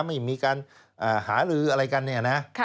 ไม่มีการหาลืออะไรกันเนี่ยนะ